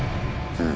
うん。